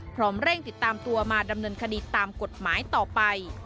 เร่งติดตามตัวมาดำเนินคดีตามกฎหมายต่อไป